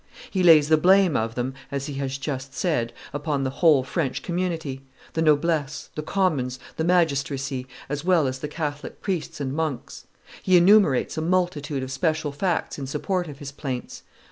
He lays the blame of them, as he has just said, upon the whole French community, the noblesse, the commons, the magistracy, as well as the Catholic priests and monks; he enumerates a multitude of special facts in support of his plaints.